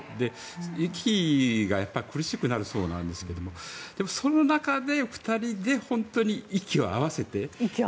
息がやっぱり苦しくなるそうなんですがでも、その中で２人で本当に息を合わせて。